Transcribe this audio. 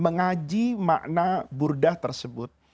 ngaji makna burdah tersebut